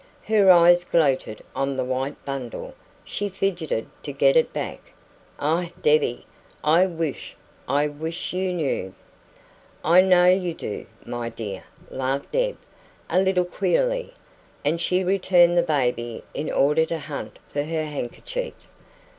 Her eyes gloated on the white bundle; she fidgeted to get it back. "Ah, Debbie, I wish I wish you knew " "I know you do, my dear," laughed Deb, a little queerly, and she returned the baby in order to hunt for her handkerchief.